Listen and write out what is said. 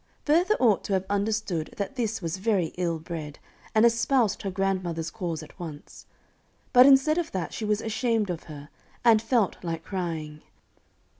Bertha ought to have understood that this was very ill bred, and espoused her grandmother's cause at once; but instead of that she was ashamed of her, and felt like crying.